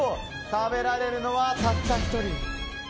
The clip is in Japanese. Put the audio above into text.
食べられるのはたった１人。